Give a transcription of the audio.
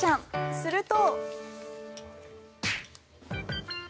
すると。